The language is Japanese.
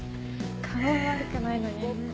顔は悪くないのにね。